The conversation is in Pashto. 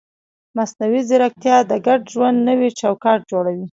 مصنوعي ځیرکتیا د ګډ ژوند نوی چوکاټ جوړوي.